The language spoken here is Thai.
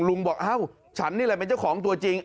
บอกเอ้าฉันนี่แหละเป็นเจ้าของตัวจริง